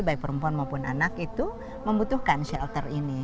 baik perempuan maupun anak itu membutuhkan shelter ini